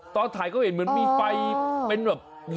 ตอนถ่ายก็เห็นเหมือนมีไฟเป็นแบบ